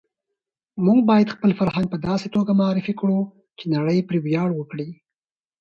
موږ باید خپل فرهنګ په داسې توګه معرفي کړو چې نړۍ پرې ویاړ وکړي.